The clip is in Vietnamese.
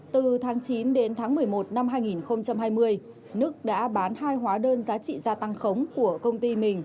từ tháng chín đến tháng một mươi một năm hai nghìn hai mươi đức đã bán hai hóa đơn giá trị gia tăng khống của công ty mình